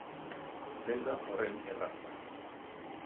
Ez da horren erraza.